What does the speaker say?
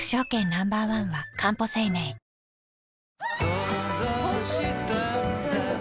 想像したんだ